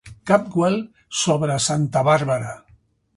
Capwell sobre "Santa Bàrbara".